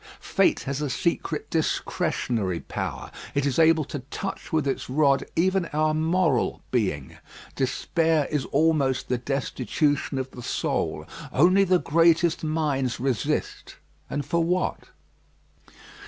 Fate has a secret discretionary power. It is able to touch with its rod even our moral being. Despair is almost the destitution of the soul. Only the greatest minds resist, and for what?